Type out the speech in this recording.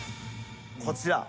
こちら。